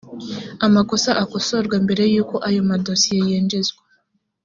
amakosa akosorwe mbere y’uko ayo madosiye yinjizwa